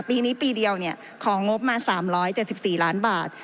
ปีนี้ปีเดียวของงบมา๓๗๔ล้านบาท